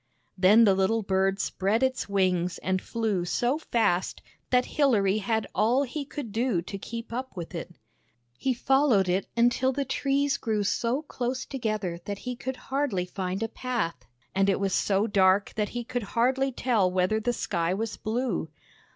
Then the little bird spread its wings and flew so fast that Hilary had all he could do to keep up with it. He followed it until the trees grew so close together that he could hardly find a path, and it was so dark that he could hardly tell whether the sky was blue.